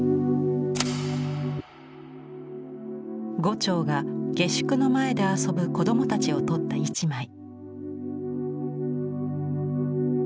牛腸が下宿の前で遊ぶ子どもたちを撮った一枚。